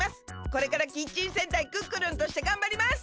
これからキッチン戦隊クックルンとしてがんばります！